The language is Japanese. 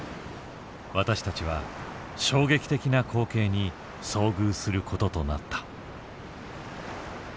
私たちは衝撃的な光景に遭遇することとなった。